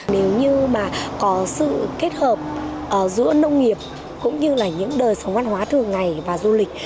nếu như mà có sự kết hợp giữa nông nghiệp cũng như là những đời sống văn hóa thường ngày và du lịch